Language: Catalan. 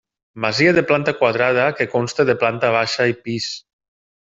Masia de planta quadrada que consta de planta baixa i pis.